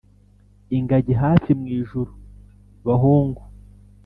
ingagi hafi mwijuru, bahungu